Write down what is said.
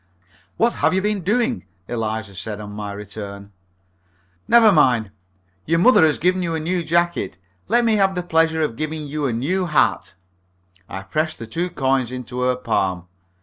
"What have you been doing?" said Eliza, on my return. "Never mind. Your mother has given you a new jacket. Let me have the pleasure of giving you a new hat." I pressed the two coins into her palm.